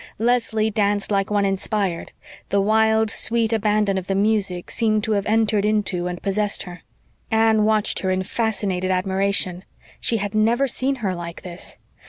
Leslie danced like one inspired; the wild, sweet abandon of the music seemed to have entered into and possessed her. Anne watched her in fascinated admiration. She had never seen her like this.